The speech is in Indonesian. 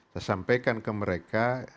saya sampaikan ke mereka